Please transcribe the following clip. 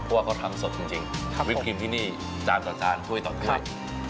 เพราะว่าก็ทำสดจริงครับผมวิบครีมพี่นี่จานต่อจานถ้วยต่อถ้วย